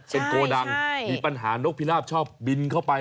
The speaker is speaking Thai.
เป็นโกดังมีปัญหานกพิราบชอบบินเข้าไป